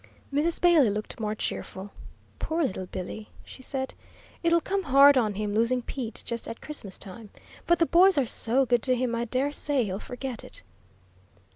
Mrs. Bailey looked more cheerful. "Poor little Billy!" she said. "It'll come hard on him, losing Pete just at Christmas time. But the boys are so good to him, I dare say he'll forget it."